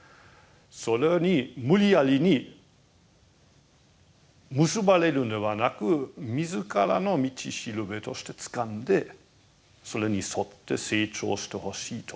それに無理やりに結ばれるのではなく自らの道しるべとしてつかんでそれに沿って成長してほしいと。